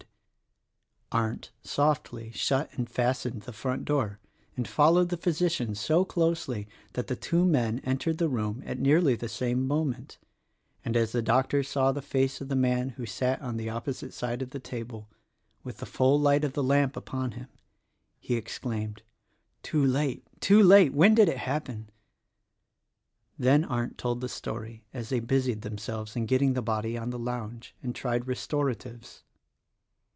30 THE RECORDING ANGEL 31 Arndt, softly, shut and fastened the front door and fol lowed the physician so closely that the two men entered the room at nearly the same moment; and as the doctor saw the face of the man who sat on the opposite side of the table — with, the full light of the lamp upon him — he exclaimed, "Too late — too late! when did it happen?" Then Arndt told the story as they busied themselves in getting the body on the lounge and tried restoratives.